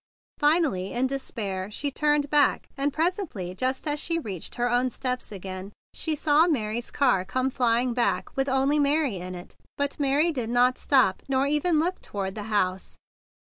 Finally in despair she turned back; and presently, just as she reached her own steps again, she saw Mary's car come flying back with only Mary in it. But Mary did not stop nor even look to¬ ward the house.